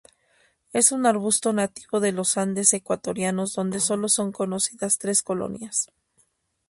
Es un arbusto nativo de los Andes ecuatorianos donde solo son conocidas tres colonias.